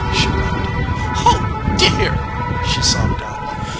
She wept. "Oh dear!" she sobbed out.